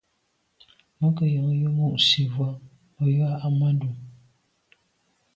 Mə́ gə̀ yɔ̌ŋ yə́ mû' nsî vwá mə̀ yə́ á ndǎ' Ahmadou.